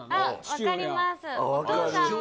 父親あっ分かります